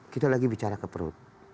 kita lagi bicara ke perut